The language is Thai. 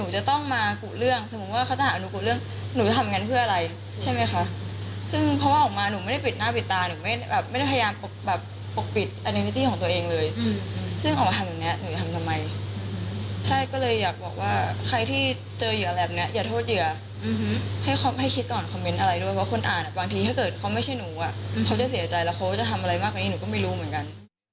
ก็เลยอยากบอกว่าใครที่เจอเหยื่อแหละเนี่ยอย่าโทษเหยื่อให้คิดก่อนคอมเมนต์อะไรด้วยว่าคนอ่านบางทีถ้าเกิดเขาไม่ใช่หนูอ่ะเขาจะเสียใจแล้วเขาจะทำอะไรมากกว่านี้หนูก็ไม่รู้เหมือนกัน